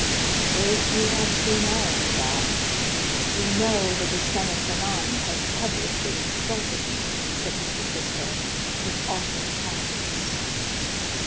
"If you have seen all, madame, you know that the son of Fernand has publicly insulted me," said Monte Cristo with awful calmness.